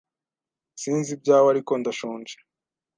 Sinzi ibyawe, ariko ndashonje.